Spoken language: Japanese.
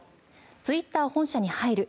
「ツイッター本社に入る。